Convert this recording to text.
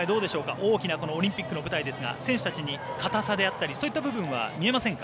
大きなオリンピックの舞台ですが選手たちに硬さであったりそういった部分は見えませんか？